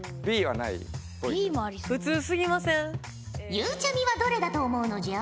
ゆうちゃみはどれだと思うのじゃ？